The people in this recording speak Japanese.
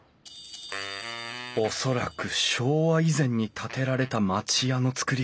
恐らく昭和以前に建てられた町家の造り